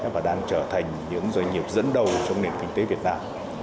và đang trở thành những doanh nghiệp dẫn đầu trong nền kinh tế việt nam